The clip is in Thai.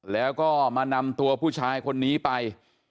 แล้วก็มานำตัวผู้ชายคนนี้ไป